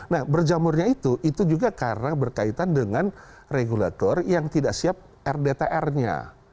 nah berjamurnya itu itu juga karena berkaitan dengan regulator yang tidak siap rdtr nya